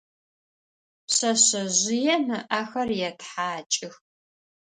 Пшъэшъэжъыем ыӏэхэр етхьакӏых.